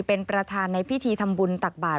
เป็นประธานในพิธีทำบุญตักบาท